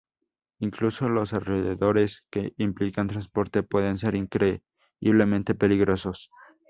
Incluso los alrededores que implican transporte pueden ser increíblemente peligrosos.